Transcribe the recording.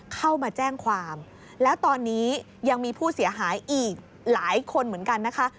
เข้ามาแจ้งความแล้วตอนนี้ยังมีผู้เสียหายอีกหลายคนเหมือนกันนะคะ